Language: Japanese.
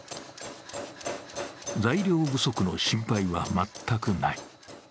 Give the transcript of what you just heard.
材料不足の心配は全くない。